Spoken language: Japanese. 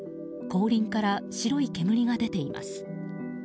後輪から白い煙が出ています。